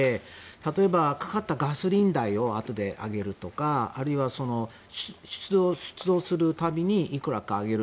例えば、かかったガソリン代をあとであげるとかあるいは出動する度にいくらかあげる。